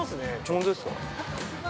◆本当ですか。